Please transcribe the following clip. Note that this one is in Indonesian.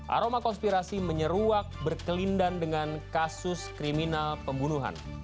aroma konspirasi menyeruak berkelindan dengan kasus kriminal pembunuhan